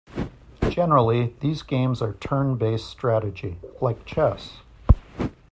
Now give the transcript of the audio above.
Generally, these games are turn based strategy, like chess.